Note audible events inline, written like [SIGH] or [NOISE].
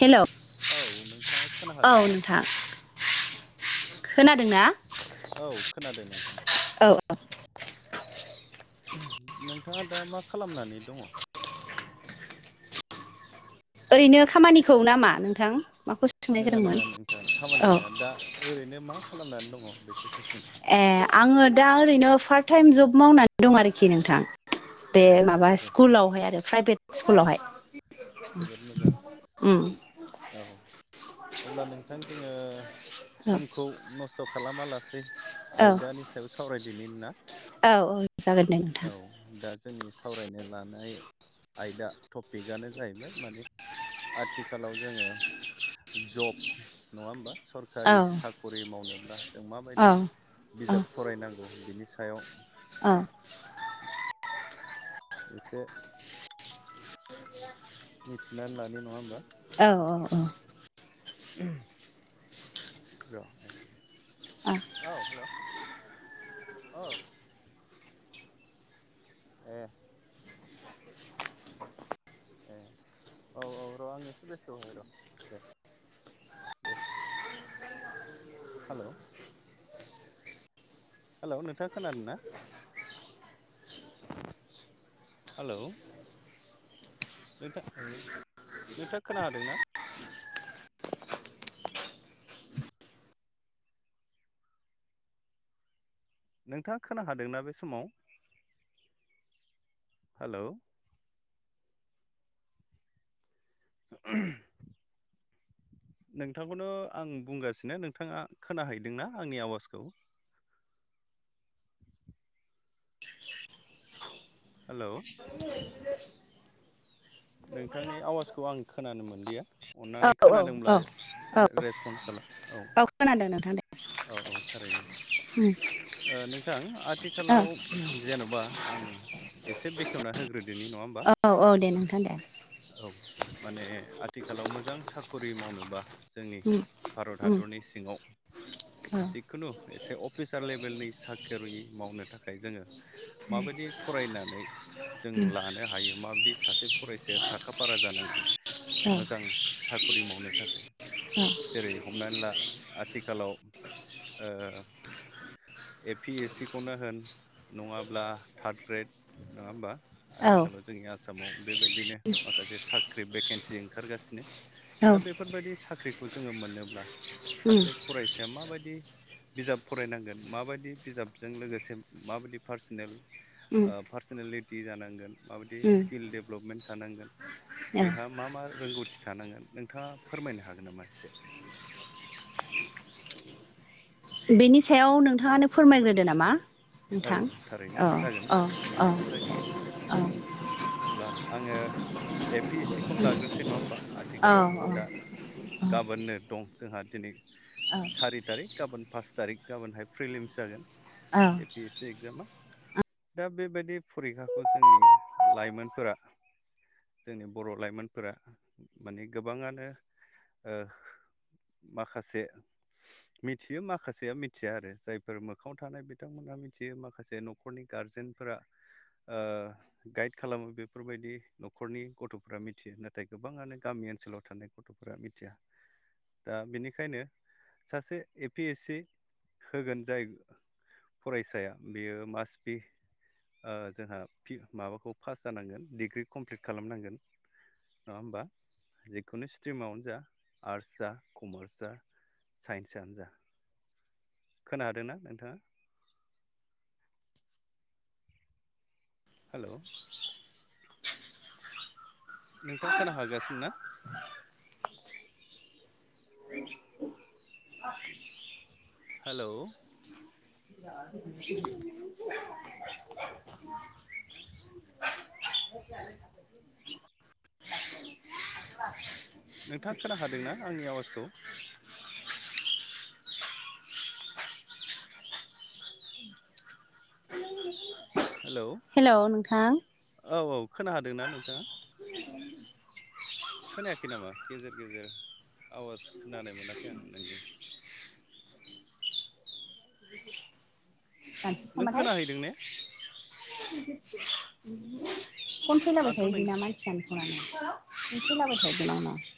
हेल' औ नोंथाङा खोना हादोंना खोनादों ना औ खोनादों नोंथां औ औ नोंथाङा दा मा खालामनानै दङ ओरैनो खामानिखौ नामा नोंथां माखौ सोंनाय नङा नङा जादोंमोन नोंथां खामानि औ नङा दा ओरैनो मा खालामनानै दङ बेखौसो सोंदों। ए आङो दा ओरैनो फार्ट टाइम जब मावनानै दं आरोखि नोंथां बे अ माबा आदसा आदसा स्कुलावहाय आरो प्राइभेट अ स्कुलावहाय जोबोद मोजां उम औ अब्ला नोंथां जोङो औ समखौ नस्थ' खालामालासे सै औ आयदानि सायाव सावरायदिनि ना औ औ जागोन दे नोंथां औ दा जोंनि सावरायनो लानाय आयदा टपिकआनो जाहैबाय माने आथिखालाव जोङो जब नङा होमबा सरखारि औ साख'रि मावनोब्ला जों औ माबायदि बिजाब फरायनांगौ बिनि सो सायाव ओ एसे मिथिनानै लानि नङा होमबा औ औ औ र औ हेल' अ ए ए औ औ र' आं एसे बेस्थ' बाय र' दे दे हेल' हेल' नोंथाङा खोनादों ना हेल' नोंथाङ ओ नोंथाङा खोना हादोंना नोंथाङा खोना हादोंना बे समाव हेलौ ओहम नोंथांखौनो आं बुंगासिनो नोंथाङा खोनाहैदोंना आंनि आवाजखौ हेल' नोंथांनि आवाजखौ आं खोनानो मोनदिया औ अननानै औ खोनादोंब्ला औ औ रेसपन्ड खालाम औ खोनादों नोंथां दे औ औ थारैनो उम ओ नोंथां औ आथिखालाव जेन'बा आं एसे बेखेवना होग्रोदोनि नङा होमबा औ औ दे नों औ माने आथिखालाव मोजां साखरि मावनोबा जोंनि उम भारत उम हादरनि सिङाव औ जिखुनु एसे अफिसार लेभेलनि साखिरि मावनो थाखाय जोङो माबायदि फरायनानै जों लानो हायो माबायदि सासे फरायसाया साखा-फारा जानांगोन मोजां साखरि मावनो थाखाय जेरै हमनानै ला आथिखालाव ओ ए पि एस सि खौनो होन नङाब्ला थार्ड ग्रेड नङा होमबा औ आथिखालाव जोंनि आसामाव बेबायदिनो माखासे साख्रि भेकेन्सि ओंखारगासिनो औ दा बेफोरबायदि साख्रिखौ जोङो मोनोब्ला उम सासे फरायसाया माबायदि बिजाब फरायनांगोन माबायदि बिजाबजों लोगोसे माबायदि पार्सनेल उम पार्सनेलिटि जानांगोन माबायदि उम स्किल डेभेलपमेन्ट थानांगोन औ बेहा मा मा रोंगौथि थानांगोन नोंथाङा फोरमायनो हागोन नामा एसे [INAUDIBLE] बेनि सायाव नोंथाङानो फोरमायग्रोदो नामा औ नोंथां थारैनो औ जागोन औ औ बिदिबो जागोन अब्ला आङो ए पि एस सि खौनो लाग्रोनोसै नङा होमबा औ आथिखालाव दा गाबोननो दं जोंहा दिनै औ सारि थारिख गाबोन पास थारिख गाबोनहाय फ्रिलिम्स जागोन औ ए पि एस सि एक्जामा दा बेबायदि फरिखाखौ जोंनि लाइमोनफोरा जोंनि बर' लाइमोनफोरा माने गोबाङानो ओ माखासे मिथियो माखासेया मिथिया आरो जायफोर मोखाङाव थानाय बिदि बिथांमोनहा मिथियो माखासे न'खरनि गारजेनफोरा गाइड खालामो बेफोरबायदि न'खरनि गथ'फोरा मिथियो नाथाय गोबाङानो गामि जोंनि ओनसोलाव थानाय गथ'फोरा मिथिया दा बेनिखायनो सासे ए पि एस सि होगोन जाय फरायसाया बेयो मास बि जोंहा माबाखौ पास जानांगोन डिग्रि कमप्लिट खालामनांगोन नङा होमबा जिखुनु स्ट्रिमावनो जा आर्ट्स जा कमार्स जा साइन्सआनो जा खोनाहादोंना नोंथाङा हेल' नोंथाङा खोनाहागासिनोना [UNINTELLIGIBLE] हेल' [UNINTELLIGIBLE] [UNINTELLIGIBLE] नोंथाङा खोनाहादोंना आंनि आवाजखौ हेलौ हेल' नोंथां औ औ खोनाहादोंना नोंथाङा खोनायाखै नामा गेजेर गेजेर आवाज खोनानाय मोनाखै आं नोंनि नों खोनाहैदों ने [UNINTELLIGIBLE] फन फैलाबाय आंथ' थायो नों बिना मानसिआनो फनानो फन फैलाबाय थायो बेनाव